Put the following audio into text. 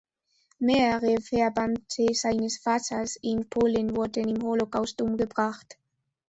Mehrere Verwandte seines Vaters in Polen wurden im Holocaust umgebracht.